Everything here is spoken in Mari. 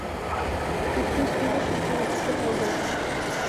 Пӱртӱс илышым тудо тӱкен огыл.